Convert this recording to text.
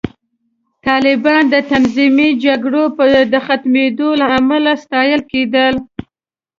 طالبان د تنظیمي جګړو د ختموونکو له امله ستایل کېدل